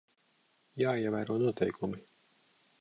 Jāievēro noteikumi.